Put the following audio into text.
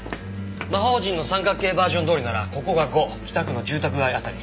魔方陣の三角形バージョンどおりならここが５北区の住宅街あたり。